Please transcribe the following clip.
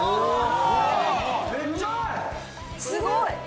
すごい。